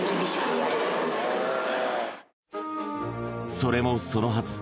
それもそのはず